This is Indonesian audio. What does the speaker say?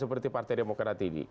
seperti partai demokrat ini